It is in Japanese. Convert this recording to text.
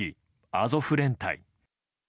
アゾフ連隊。